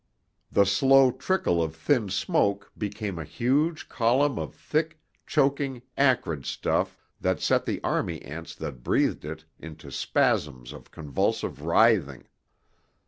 The slow trickle of thin smoke became a huge column of thick, choking, acrid stuff that set the army ants that breathed it into spasms of convulsive writhing.